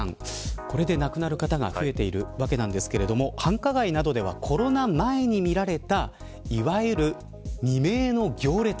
これで亡くなる方が増えているわけなんですけれども繁華街などではコロナ前に見られたいわゆる未明の行列。